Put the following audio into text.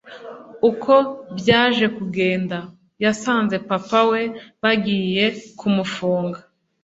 Uko byaje kugenda, yasanze papa we bagiye kumufunga